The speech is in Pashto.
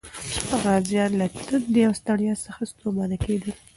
غازیان له تندې او ستړیا څخه ستومانه کېدل.